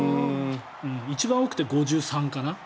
一番多くて５３かな。